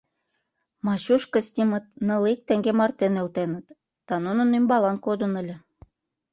Мачуш Кыстимыт нылле ик теҥге марте нӧлтеныт да нунын ӱмбалан кодын ыле.